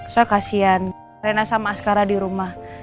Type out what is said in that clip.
soalnya kasian rena sama askara dirumah